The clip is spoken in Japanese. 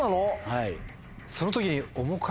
はい。